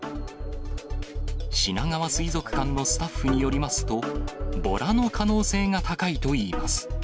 しながわ水族館のスタッフによりますと、ボラの可能性が高いといいます。